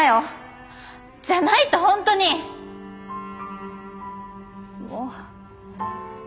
じゃないと本当にもう。